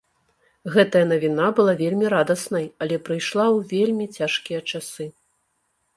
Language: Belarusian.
Гэтая навіна была вельмі радаснай, але прыйшла ў вельмі цяжкія часы.